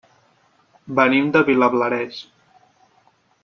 Venim de Vilablareix.